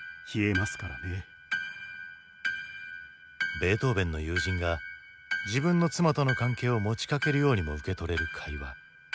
ベートーヴェンの友人が自分の妻との関係を持ちかけるようにも受け取れる会話。